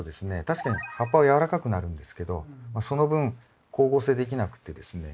確かに葉っぱはやわらかくなるんですけどその分光合成できなくてですね